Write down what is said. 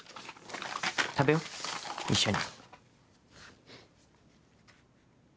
食べよう一緒に。